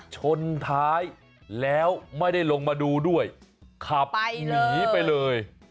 ชนท้ายแล้วไม่ได้ลงมาดูด้วยขับหนีไปเลย